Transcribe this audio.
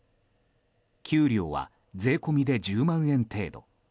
給料は税込みで１０万円程度。